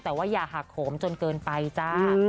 แต่ว่าอย่าหักโขมจนเกินไปจ้า